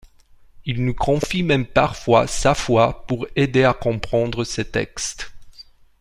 Il nous confie même parfois sa foi pour aider à comprendre ses textes.